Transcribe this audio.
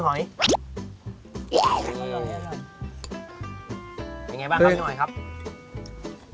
ยังไงบ้างครับน้อยตัวหน่อยครับ